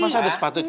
masa ada sepatu cinta